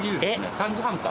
３時半か。